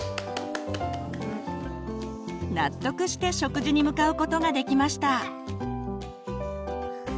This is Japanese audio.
納得して食事に向かうことができました。